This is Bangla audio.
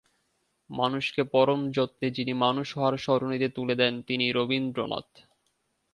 মানুষকে পরম যত্নে যিনি মানুষ হওয়ার সরণিতে তুলে দেন, তিনি রবীন্দ্রনাথ।